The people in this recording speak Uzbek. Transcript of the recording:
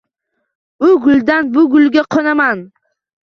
U guldan bu gulga qo`naman